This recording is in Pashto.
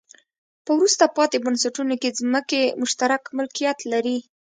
په وروسته پاتې بنسټونو کې ځمکې مشترک ملکیت لري.